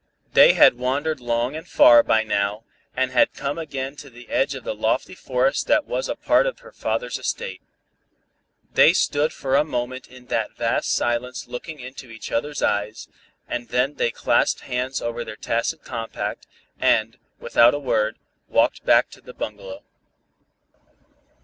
They had wandered long and far by now, and had come again to the edge of the lofty forest that was a part of her father's estate. They stood for a moment in that vast silence looking into each other's eyes, and then they clasped hands over their tacit compact, and without a word, walked back to the bungalow.